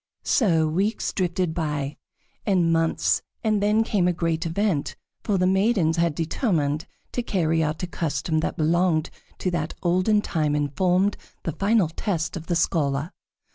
So weeks drifted by, and months, and then came a great event, for the maidens had determined to carry out a custom that belonged to that olden time and formed the final test of the scholar.